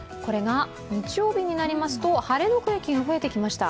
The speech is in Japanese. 日曜日になりますと晴れの区域が増えてきました。